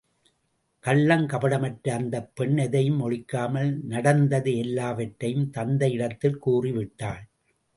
கள்ளங்கபடமற்ற அந்தப் பெண் எதையும் ஒளிக்காமல் நடந்தது எல்லாவற்றையும் தந்தையிடத்தில் கூறி விட்டாள்.